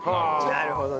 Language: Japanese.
なるほどね。